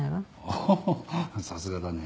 おおさすがだね。